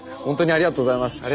ほんとにありがとうございます。